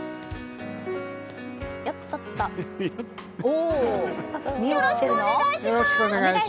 よろしくお願いします！